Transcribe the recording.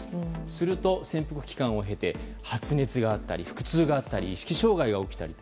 すると潜伏期間を経て発熱や腹痛があったり意識障害が起きたり。